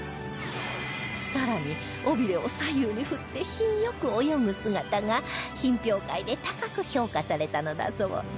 更に尾びれを左右に振って品良く泳ぐ姿が品評会で高く評価されたのだそう